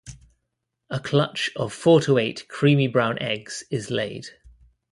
A clutch of four to eight creamy-brown eggs is laid.